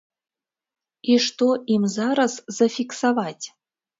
І што ім зараз зафіксаваць?